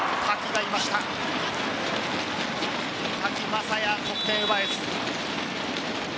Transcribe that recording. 瀧正也、得点奪えず。